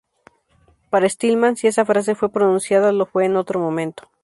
Para Stillman, si esa frase fue pronunciada lo fue en otro momento.